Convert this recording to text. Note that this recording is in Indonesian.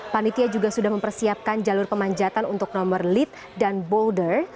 panitia juga sudah mempersiapkan jalur pemanjatan untuk nomor lead dan boulder